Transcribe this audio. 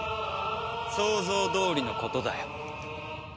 想像どおりのことだよ。